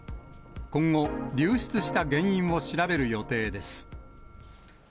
今後、流出した原因を調べる予定です。